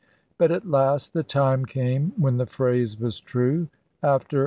But at last the time came when the phrase was true; after April, 1865.